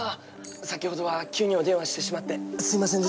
先ほどは急にお電話してしまってすいませんでした。